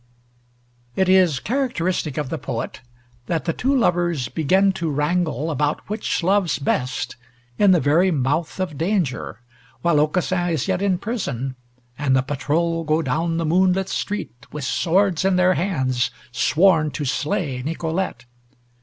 It is characteristic of the poet that the two lovers begin to wrangle about which loves best, in the very mouth of danger, while Aucassin is yet in prison, and the patrol go down the moonlit street, with swords in their hands, sworn to slay Nicolete.